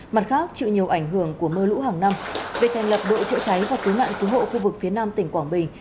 mặt khác chịu nhiều ảnh hưởng của mưa lũ hàng năm việc thành lập đội chữa cháy và cứu nạn cứu hộ khu vực phía nam tỉnh quảng bình